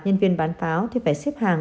nhân viên bán pháo thì phải xếp hàng